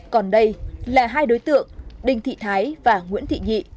còn đây là hai đối tượng đinh thị thái và nguyễn thị nhị